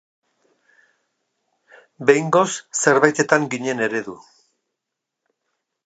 Behingoz, zerbaitetan ginen eredu.